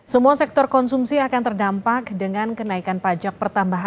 semua sektor konsumsi akan terdampak dengan kenaikan pajak pertambahan